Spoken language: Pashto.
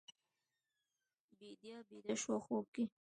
بیدیا بیده شوه خوب کې